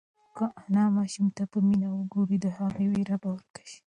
که انا ماشوم ته په مینه وگوري، د هغه وېره به ورکه شي.